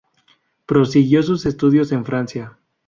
Prosiguió sus estudios en Francia.